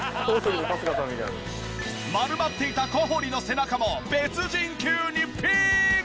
丸まっていた小堀の背中も別人級にピーン！